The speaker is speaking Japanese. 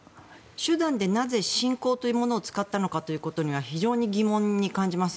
手段でなぜ侵攻というものを使ったのかということには非常に疑問に感じます。